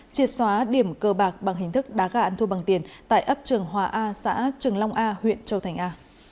triệt xóa điểm cơ bạc bằng hình thức đá gà ăn thua bằng tiền tại ấp trường hòa a xã trường long a huyện châu thành a